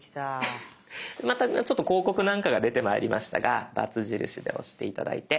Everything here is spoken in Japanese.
また広告なんかが出てまいりましたがバツ印で押して頂いて。